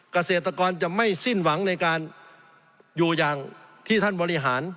เกษตรกรจะไม่สิ้นหวังในการอยู่อย่างที่ท่านบริหาร